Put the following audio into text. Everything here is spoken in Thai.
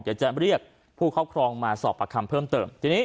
แต่ว่าพอจะเรียกผู้ครอบครองมาสอบประคำเพิ่มเติม